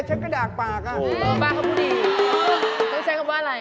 ก็ไม่น่าโดนตำรวจจับนะ